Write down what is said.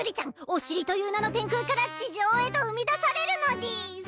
お尻という名の天空から地上へと生み出されるのでぃす！